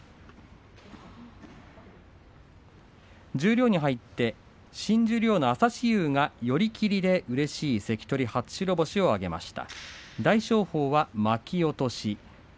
十両に入って新十両の朝志雄がうれしい関取初白星を挙げました。